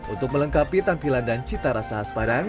untuk melengkapi tampilan dan cita rasa aspadang